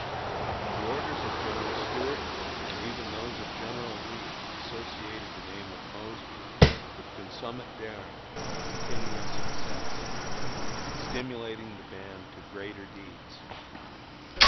The orders of General Stuart and even those of General Lee associated the name of Mosby with consummate daring and continual success, stimulating the band to greater deeds.